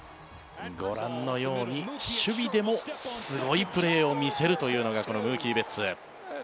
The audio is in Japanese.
ご覧のように守備でもすごいプレーを見せるというのがこのムーキー・ベッツ。